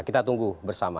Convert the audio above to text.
kita tunggu bersama